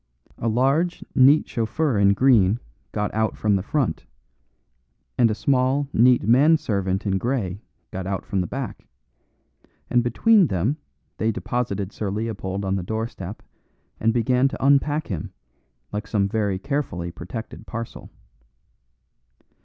A large, neat chauffeur in green got out from the front, and a small, neat manservant in grey got out from the back, and between them they deposited Sir Leopold on the doorstep and began to unpack him, like some very carefully protected parcel.